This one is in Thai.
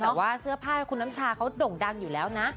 แต่ว่าเสื้อผ้าคุณน้ำชาเขาด่งดังอยู่แล้วนะ